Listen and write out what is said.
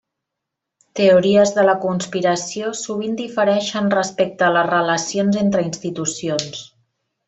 Teories de la conspiració sovint difereixen respecte a les relacions entre institucions.